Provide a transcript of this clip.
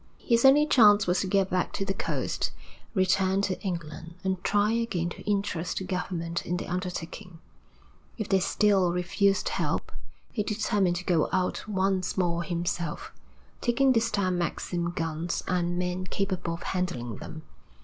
His only chance was to get back to the coast, return to England, and try again to interest the government in the undertaking; if they still refused help he determined to go out once more himself, taking this time Maxim guns and men capable of handling them.